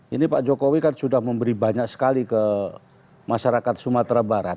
ini pak jokowi kan sudah memberi banyak sekali ke masyarakat sumatera barat